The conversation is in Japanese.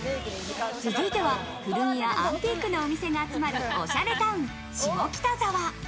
続いては古着やアンティークなお店が集まるおしゃれタウン・下北沢。